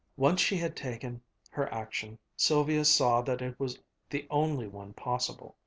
Once she had taken her action, Sylvia saw that it was the only one possible.